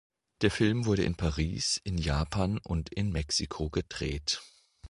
Der Film wurde in Paris, in Japan und in Mexiko gedreht.